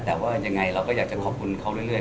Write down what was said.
แต่ว่ายังไงเราก็อยากจะขอบคุณเขาเรื่อย